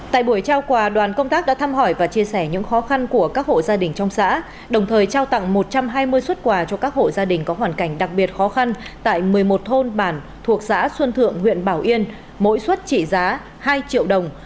tại buổi trao quà đoàn công tác đã thăm hỏi và chia sẻ những khó khăn của các hộ gia đình trong xã đồng thời trao tặng một trăm hai mươi xuất quà cho các hộ gia đình có hoàn cảnh đặc biệt khó khăn tại một mươi một thôn bản thuộc xã xuân thượng huyện bảo yên mỗi xuất trị giá hai triệu đồng